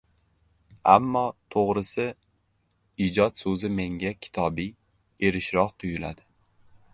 Ammo, to‘g‘risi, “ijod” so‘zi menga kitobiy, erishroq tuyuladi.